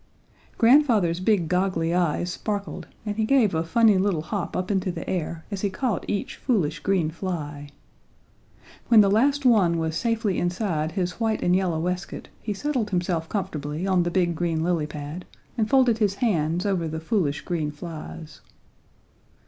Grandfather's big goggly eyes sparkled and he gave a funny little hop up into the air as he caught each foolish green fly. When the last one was safely inside his white and yellow waistcoat he settled himself comfortably on the big green lily pad and folded his hands over the foolish green flies.